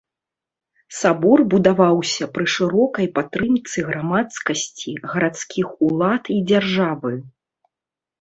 Сабор будаваўся пры шырокай падтрымцы грамадскасці, гарадскіх улад і дзяржавы.